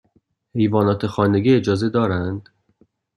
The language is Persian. حیوانات خانگی اجازه دارند؟